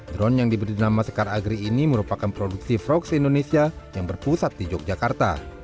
drone yang diberi nama sekar agri ini merupakan produksi frogs indonesia yang berpusat di yogyakarta